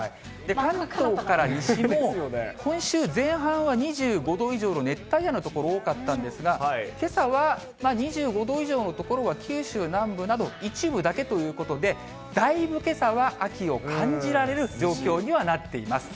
関東から西も今週前半は２５度以上の熱帯夜の所、多かったんですが、けさは２５度以上の所は九州南部など一部だけということで、だいぶけさは秋を感じられる状況にはなっています。